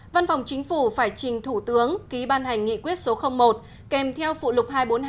văn phòng chính phủ phải trình thủ tướng ký ban hành nghị quyết số một kèm theo phụ lục hai trăm bốn mươi hai